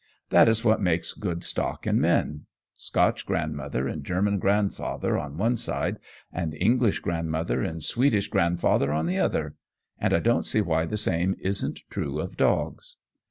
That is what makes good stock in men Scotch grandmother and German grandfather on one side and English grandmother and Swedish grandfather on the other and I don't see why the same isn't true of dogs.